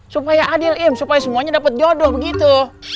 supaya adil im supaya semuanya dapat jodoh begitu